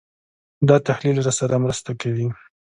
دا تحلیل راسره مرسته کوي.